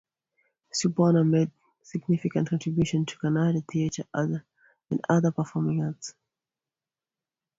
Subbanna, made significant contribution to Kannada theatre and other performing arts.